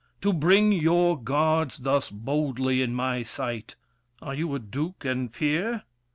To bring your guards thus boldly in my sight, Are you a duke and peer?